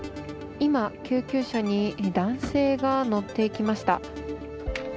今、救急車に男性が乗っていきました。